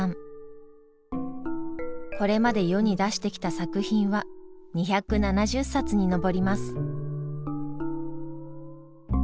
これまで世に出してきた作品は２７０冊に上ります。